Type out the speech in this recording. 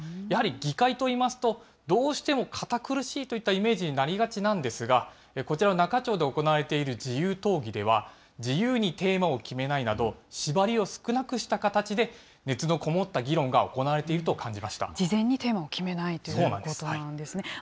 やはり議会といいますと、どうしても堅苦しいといったイメージになりがちなんですが、こちらの那賀町で行われている自由討議では、自由にテーマを決めないなど、縛りを少なくした形で熱の込もった議論が行われていると感じまし事前にテーマを決めないということなんですね。